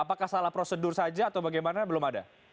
apakah salah prosedur saja atau bagaimana belum ada